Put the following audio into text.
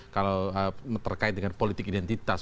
kalau terkait dengan politik identitas